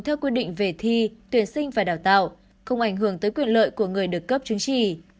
theo quy định về thi tuyển sinh và đào tạo không ảnh hưởng tới quyền lợi của người được cấp chứng chỉ